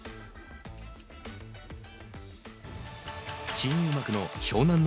新入幕の湘南乃